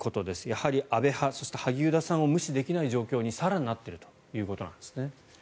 やはり安倍派、そして萩生田さんを無視できない状況に更になっているということなんですね。